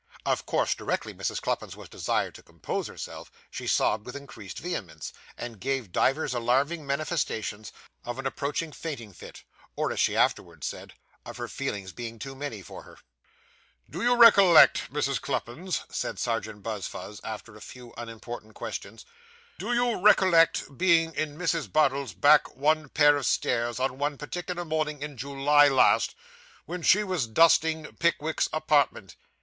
Of course, directly Mrs. Cluppins was desired to compose herself, she sobbed with increased vehemence, and gave divers alarming manifestations of an approaching fainting fit, or, as she afterwards said, of her feelings being too many for her. 'Do you recollect, Mrs. Cluppins,' said Serjeant Buzfuz, after a few unimportant questions 'do you recollect being in Mrs. Bardell's back one pair of stairs, on one particular morning in July last, when she was dusting Pickwick's apartment?